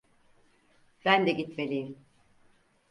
Ben de gitmeliyim.